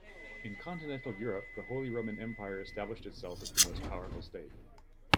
In continental Europe, the Holy Roman Empire established itself as the most powerful state.